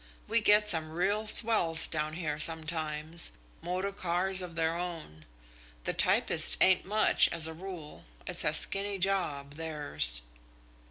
We get some real swells down here sometimes motor cars of their own. The typists ain't much, as a rule. It's a skinny job, theirs."